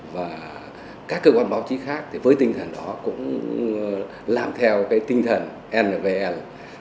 và các cơ quan báo chí khác với tinh thần đó cũng làm theo cái tinh thần nlvl